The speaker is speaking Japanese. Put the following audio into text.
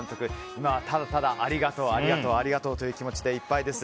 今はただただありがとう、ありがとうという気持ちでいっぱいです。